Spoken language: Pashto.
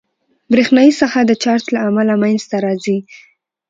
برېښنایي ساحه د چارج له امله منځته راځي.